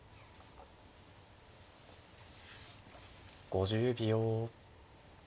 ５０秒。